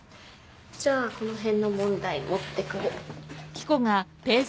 じゃあこの辺の問題持ってくる。